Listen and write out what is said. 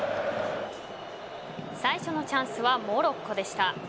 最初のチャンスはモロッコでした。